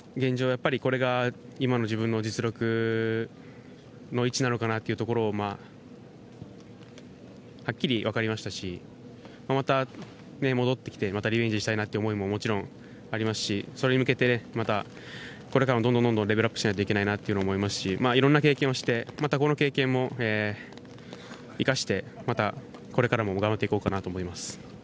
やっぱりこれが今の自分の実力の位置なのかなというところがはっきり分かりましたし、また戻ってきてまたリベンジしたいなという思いももちろんありますし、それに向けてこれからもどんどんレベルアップしないといけないなと思いますしいろんな経験をしてまたこの経験も生かしてまたこれからも頑張っていこうかなと思います。